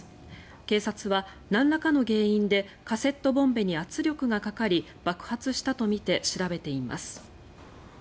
警察はなんらかの原因でカセットボンベに圧力がかかり爆発したとみて調べています。